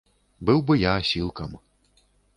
Быў бы я асілкам.